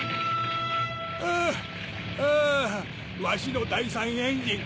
あっあぁわしの第三エンジン。